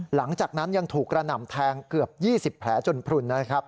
หลังจากนั้นยังถูกกระหน่ำแทงเกือบ๒๐แผลจนพลุนนะครับ